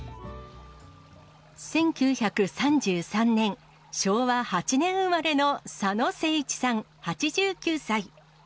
１９３３年・昭和８年生まれの佐野誠一さん８９歳。